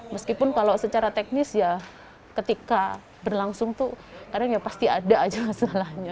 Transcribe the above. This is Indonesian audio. meskipun kalau secara teknis ya ketika berlangsung tuh kadang ya pasti ada aja masalahnya